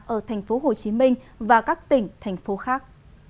ở tp hcm và các tỉnh thành phố khác